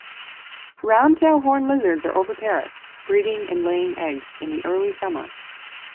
Roundtail horned lizards are oviparous, breeding and laying eggs in early summer.